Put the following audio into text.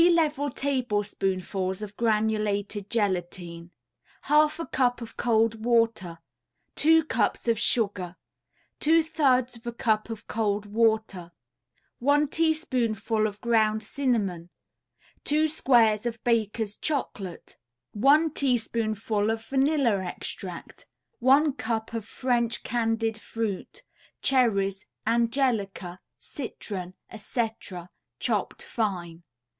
] 3 level tablespoonfuls of granulated gelatine, 1/2 a cup of cold water, 2 cups of sugar, 2/3 a cup of cold water, 1 teaspoonful of ground cinnamon, 2 squares of Baker's Chocolate, 1 teaspoonful of vanilla extract, 1 cup of French candied fruit, cherries, angelica, citron, etc., chopped fine.